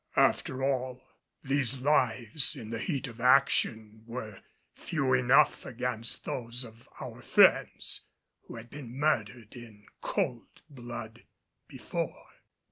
After all, these lives in the heat of action were few enough against those of all our friends who had been murdered in cold blood before.